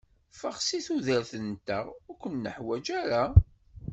Ffeɣ si tudert-nteɣ, ur k-nuḥwaǧ ara.